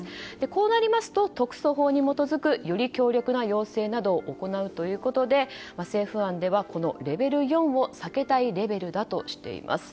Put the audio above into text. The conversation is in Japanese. こうなりますと特措法に基づくより強力な要請などを行うということで政府案ではこのレベル４を最大レベルとしています。